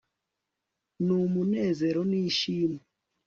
numunezero nishimwe